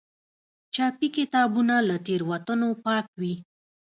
چاپي کتابونه له تېروتنو پاک وي.